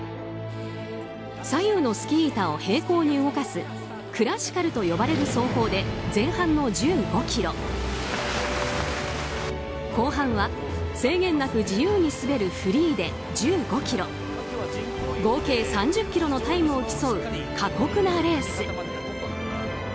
左右のスキー板を平行に動かすクラシカルと呼ばれる走法で前半の１５ｋｍ後半は制限なく自由に滑るフリーで１５ｋｍ合計３０ｋｍのタイムを競う過酷なレース。